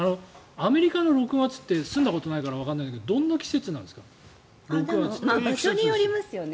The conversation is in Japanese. アメリカの６月って住んだことがないからわからないけど場所によりますよね。